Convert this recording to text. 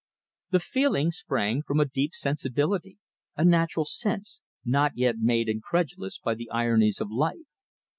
The feeling sprang from a deep sensibility, a natural sense, not yet made incredulous by the ironies of life.